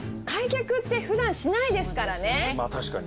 開脚ってふだんしないですからね。